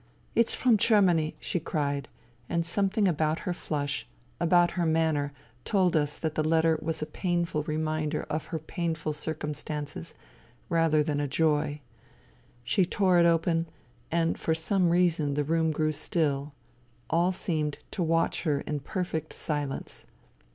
"It's from Germany," she cried, and something about her flush, about her manner, told us that the letter was a painful reminder of her painful circumstances, rather than a joy. She tore it open, and for some reason the room grew still : all seemed to watch her in perfect silence.